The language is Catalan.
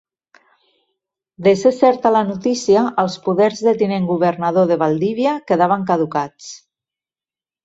De ser certa la notícia, els poders de tinent governador de Valdivia quedaven caducats.